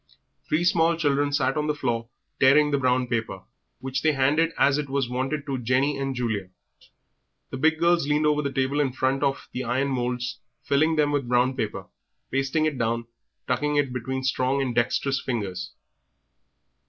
Three small children sat on the floor tearing the brown paper, which they handed as it was wanted to Jenny and Julia. The big girls leaned over the table in front of iron moulds, filling them with brown paper, pasting it down, tucking it in with strong and dexterous fingers.